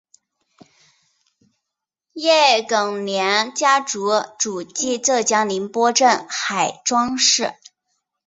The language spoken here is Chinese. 叶庚年家族祖籍浙江宁波镇海庄市。